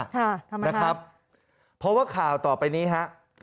ทำไมนะครับเพราะว่าข่าวต่อไปนี้ฮะ